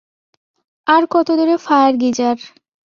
আর কতদূরে fire geyser?